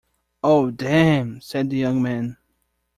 “Oh, damn,” said the young man.